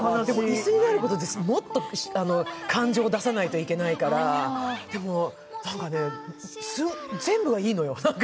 椅子になることで、もっと感情を出さないといけないから、全部がいいのよ。